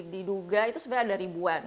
diduga itu sebenarnya ada ribuan